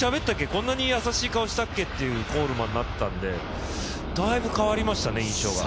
こんなに優しい顔したっけ？っていうコールマンになったのでだいぶ変わりましたね、印象が。